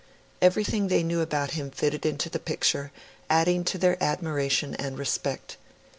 Everything they knew about him fitted into the picture, adding to their admiration and respect.